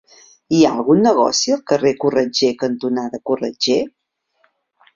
Hi ha algun negoci al carrer Corretger cantonada Corretger?